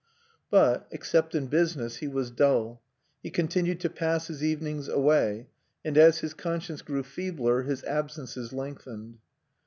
But, except in business, he was dull. He continued to pass his evenings away; and as his conscience grew feebler, his absences lengthened.